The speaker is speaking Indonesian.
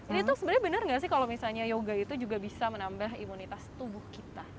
ini tuh sebenarnya benar nggak sih kalau misalnya yoga itu juga bisa menambah imunitas tubuh kita